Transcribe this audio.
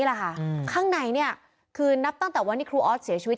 แหละค่ะข้างในเนี่ยคือนับตั้งแต่วันนี้ครูออสเสียชีวิต